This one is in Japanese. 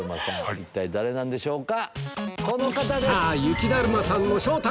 一体誰なんでしょうか？